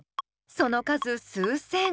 その数数千。